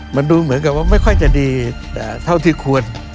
มันดูเหมือนกับว่าไม่ค่อยจะดีแต่เท่าที่ควร